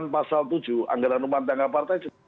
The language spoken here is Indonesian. pasal tujuh anggaran rumah tangga partai